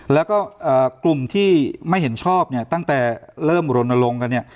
แล้วก็กลุ่มที่ไม่เห็นชอบเนี่ยตั้งแต่เริ่มรณรงค์กันเนี่ย